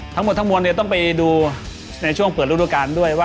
ทั้งหมดทั้งมวลต้องไปดูในช่วงเปิดรูปรับการด้วย